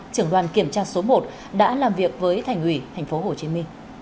trưởng đoàn kiểm tra số một đã làm việc với thành ủy tp hcm